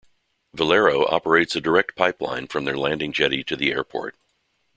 "Valero" operates a direct pipeline from their landing-jetty to the airport.